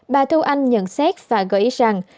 bà thu anh nhận xét và gợi ý rằng